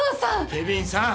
ケビンさん。